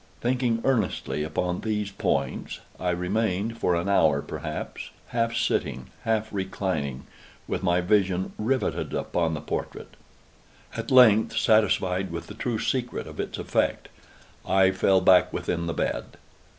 Thinking earnestly upon these points, I remained, for an hour perhaps, half sitting, half reclining, with my vision riveted upon the portrait. At length, satisfied with the true secret of its effect, I fell back within the bed.